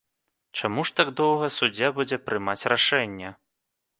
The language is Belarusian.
Чаму ж так доўга суддзя будзе прымаць рашэнне?